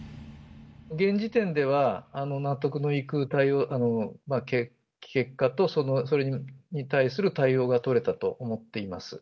現時点では、納得のいく結果と、それに対する対応が取れたと思っています。